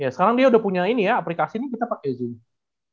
sekarang dia udah punya ini ya aplikasi ini kita pakai zoom